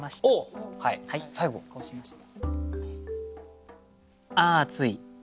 こうしました。